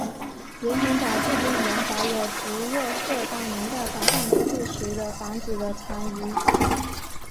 盐田仔至今仍保有福若瑟当年在岛上居住时的房子的残余。